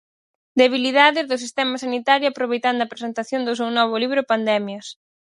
"Debilidades" do sistema sanitario Aproveitando a presentación do seu novo libro Pandemias.